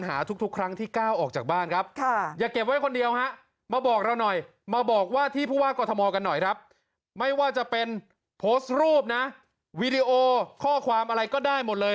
ข้างหน้าของประเทศไทย